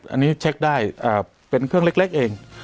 อันนี้เช็คได้เป็นเครื่องเล็กเอง